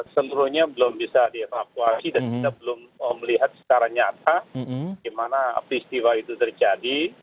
seluruhnya belum bisa dievakuasi dan kita belum melihat secara nyata di mana peristiwa itu terjadi